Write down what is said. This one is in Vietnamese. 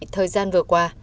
thời gian vừa qua